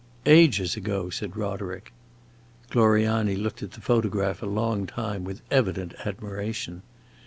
"Ages ago," said Roderick. Gloriani looked at the photograph a long time, with evident admiration.